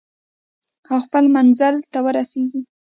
او خپل منزل ته ورسیږو.